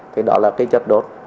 thì đó là cái chất đốt